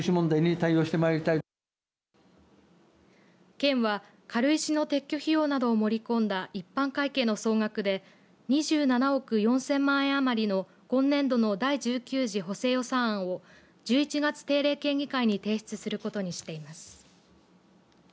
県は、軽石の撤去費用などを盛り込んだ一般会計の総額で２７億４０００万円余りの今年度の第１９次補正予算案を１１月定例県議会に提出することにしています。